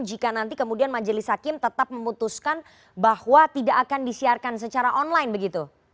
jika nanti kemudian majelis hakim tetap memutuskan bahwa tidak akan disiarkan secara online begitu